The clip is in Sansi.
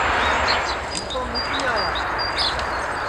ہُوں تو مُوتی آیا